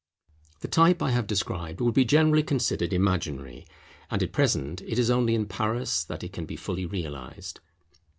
The type I have described would be generally considered imaginary; and at present it is only in Paris that it can be fully realized.